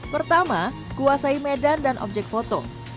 pertama kuasai medan dan objek foto